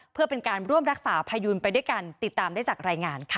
เพื่อเป็นการร่วมรักษาพายูนไปด้วยกันติดตามได้จากรายงานค่ะ